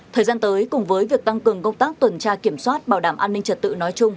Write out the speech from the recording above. thời gian tới cùng với việc tăng cường công tác tuần tra kiểm soát bảo đảm an ninh trật tự nói chung